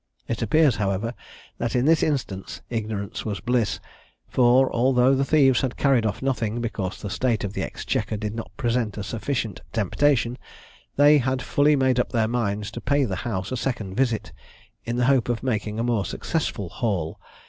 It appears, however, that in this instance "ignorance was bliss;" for although the thieves had carried off nothing, because the state of the exchequer did not present a sufficient temptation, they had fully made up their minds to pay the house a second visit, in the hope of making a more successful "haul."